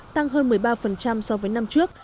tăng hơn một mươi ba so với năm trước